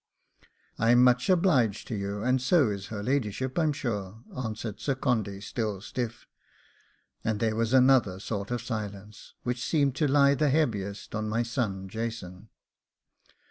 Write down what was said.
'I'm much obliged to you, and so is her ladyship, I'm sure,' answered Sir Condy, still stiff; and there was another sort of a silence, which seemed to lie the heaviest on my son Jason.